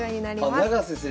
あ永瀬先生。